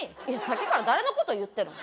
さっきから誰のこと言ってんの？